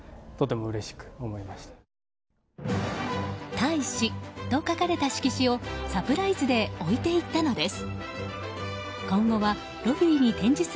「大志」と書かれた色紙をサプライズで置いていったのです。